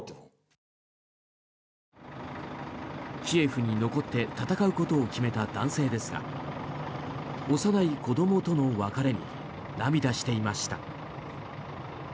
キエフに残って戦うことを決めた男性ですが幼い子どもとの別れに涙していました。